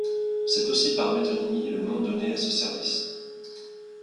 C'est aussi, par métonymie, le nom donné à ce service.